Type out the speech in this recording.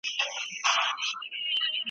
محصلين د هغه له تجربو زده کړه کوي.